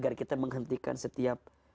agar kita menghentikan setiap